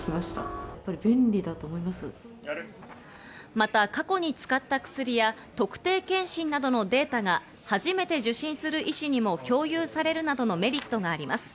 また過去に使った薬や特定健診などのデータが初めて受診する医師にも共有されるなどのメリットがあります。